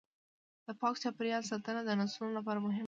د پاک چاپیریال ساتنه د نسلونو لپاره مهمه ده.